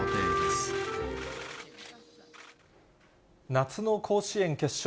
夏の甲子園決勝。